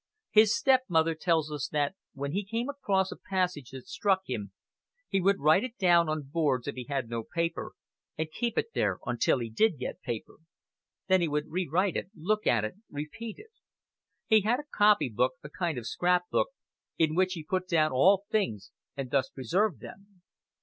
His stepmother tells us that "When he came across a passage that struck him, he would write it down on boards if he had no paper, and keep it there until he did get paper. Then he would rewrite it, look at it, repeat it. He had a copy book, a kind of scrap book, in which he put down all things, and thus preserved them."